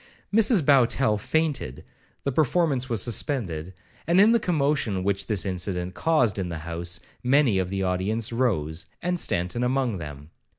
Mrs Bowtell fainted, the performance was suspended, and, in the commotion which this incident caused in the house, many of the audience rose, and Stanton among them.